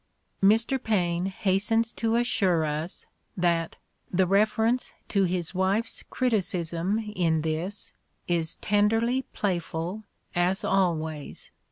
Mr. Paine hastens to assure us that "the reference to his wife's criticism in this is tenderly playful, as always."